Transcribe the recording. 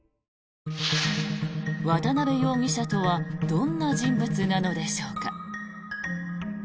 渡邉容疑者とはどんな人物なのでしょうか。